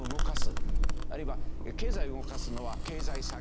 あるいは経済を動かすのは経済産業省。